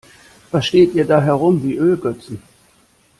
Was steht ihr da herum wie die Ölgötzen?